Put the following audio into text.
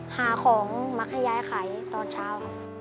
หาของมักให้ยายขายตอนเช้าค่ะ